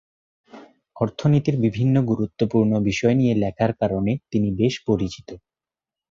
অর্থনীতির বিভিন্ন গুরুত্বপূর্ণ বিষয় নিয়ে লেখার কারণে তিনি বেশ পরিচিত।